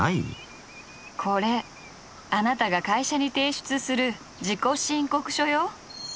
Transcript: これあなたが会社に提出する自己申告書よ。